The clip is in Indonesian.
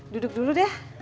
duduk dulu deh